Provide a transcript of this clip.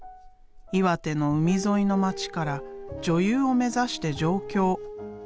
岩手の海沿いの町から女優を目指して上京。